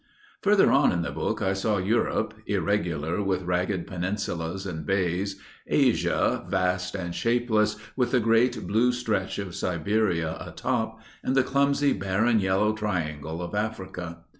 Further on in the book I saw Europe, irregular with ragged peninsulas and bays, Asia, vast and shapeless, with the great blue stretch of Siberia atop, and the clumsy barren yellow triangle of Africa.